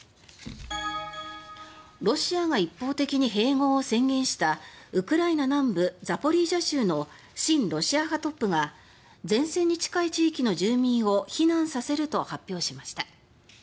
ロシアが一方的に併合を宣言したウクライナ南部ザポリージャ州の親ロシア派トップが前線に近い地域の住民を避難させると発表しました。